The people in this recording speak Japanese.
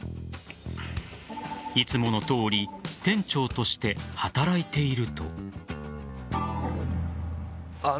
いつものとおり店長として働いていると。